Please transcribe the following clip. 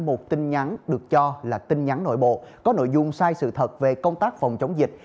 một tin nhắn được cho là tin nhắn nội bộ có nội dung sai sự thật về công tác phòng chống dịch